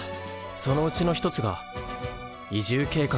そのうちの一つが移住計画だ。